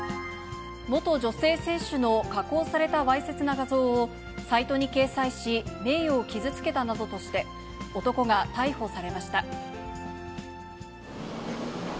元女性選手の加工されたわいせつな画像を、サイトに掲載し、名誉を傷つけたなどとして、男が逮捕されました。